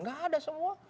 gak ada semua